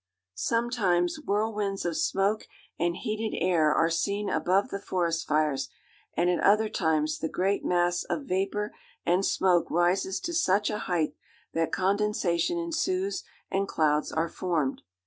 Sometimes whirlwinds of smoke and heated air are seen above the forest fires, and at other times the great mass of vapor and smoke rises to such a height that condensation ensues, and clouds are formed.